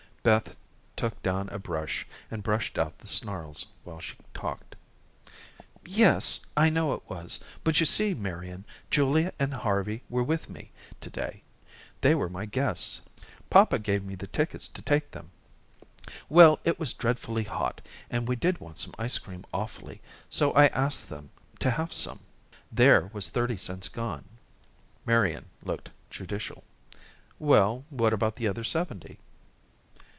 Beth took down a brush and brushed out the snarls while she talked. "Yes, I know it was, but you see, Marian, Julia and Harvey were with me to day. They were my guests. Papa gave me the tickets to take them. Well, it was dreadfully hot, and we did want some ice cream awfully, so I asked them to have some. There was thirty cents gone." Marian looked judicial. "Well, what about the other seventy?"